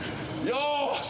よし。